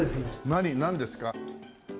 何？なんですか？